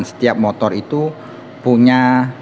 setiap motor itu punya